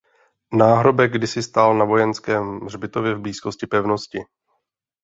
Náhrobek kdysi stál na vojenském hřbitově v blízkosti pevnosti.